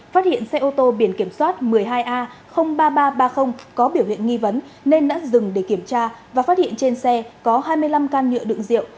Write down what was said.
phát hiện xe ô tô biển kiểm soát một mươi hai a ba nghìn ba trăm ba mươi có biểu hiện nghi vấn nên đã dừng để kiểm tra và phát hiện trên xe có hai mươi năm can nhựa đựng rượu